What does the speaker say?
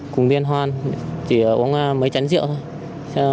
cùng điên hoan chỉ uống mấy chén rượu thôi